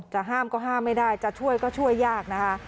จะห้ามก็ห้ามไม่ได้จะช่วยก็ช่วยยากนะคะ